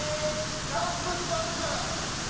ストップストップ。